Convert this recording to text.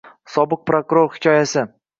sobiq prokuror hikoyasi